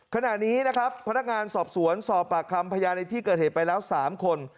ขณะนี้นะครับพนักงานสอบสวนสอบปากคำพยานในที่เกิดเหตุไปแล้ว๓คน